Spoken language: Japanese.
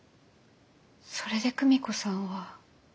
それで久美子さんは。